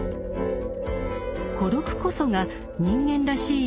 孤独こそが「人間らしい」